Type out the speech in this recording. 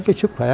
cái sức khỏe